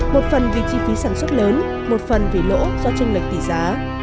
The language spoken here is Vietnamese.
một phần vì chi phí sản xuất lớn một phần vì lỗ do tranh lệch tỷ giá